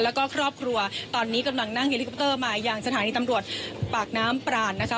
แล้วก็ครอบครัวตอนนี้กำลังนั่งเฮลิคอปเตอร์มาอย่างสถานีตำรวจปากน้ำปรานนะคะ